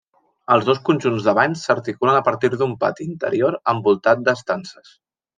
Els dos conjunts de banys s'articulen a partir d'un pati interior envoltat d'estances.